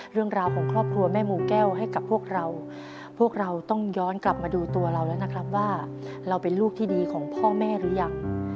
เรื่องราวของครอบครัวแม่หมู่แก้วให้กับพวกเราพวกเราต้องย้อนกลับมาดูตัวเราแล้วนะครับว่าเราเป็นลูกที่ดีของพ่อแม่หรือยัง